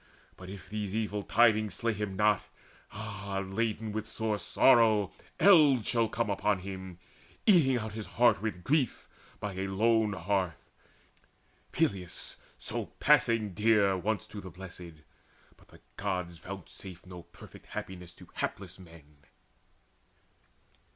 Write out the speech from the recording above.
But if these evil tidings slay him not, Ah, laden with sore sorrow eld shall come Upon him, eating out his heart with grief By a lone hearth Peleus so passing dear Once to the Blessed! But the Gods vouchsafe No perfect happiness to hapless men."